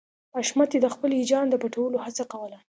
حشمتي د خپل هيجان د پټولو هڅه کوله